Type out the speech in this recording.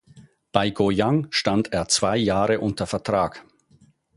Bei Goyang stand er zwei Jahre unter Vertrag.